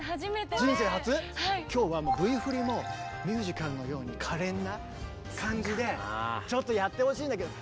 今日はＶ振りもミュージカルのようにかれんな感じでちょっとやってほしいんだけど。